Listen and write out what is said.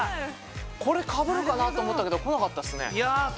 これかぶるかなと思ったけど来なかったっすね。